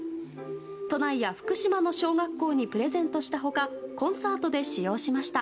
都内や福島の小学校にプレゼントした他コンサートで使用しました。